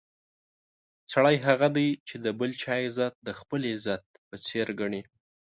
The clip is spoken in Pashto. سړی هغه دی چې د بل چا عزت د خپل عزت په څېر ګڼي.